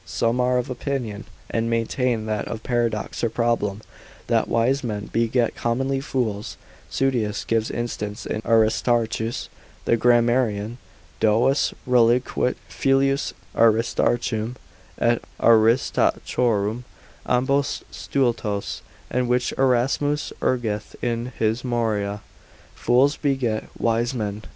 Some are of opinion, and maintain that paradox or problem, that wise men beget commonly fools; Suidas gives instance in Aristarchus the Grammarian, duos reliquit Filios Aristarchum et Aristachorum, ambos stultos; and which Erasmus urgeth in his Moria, fools beget wise men.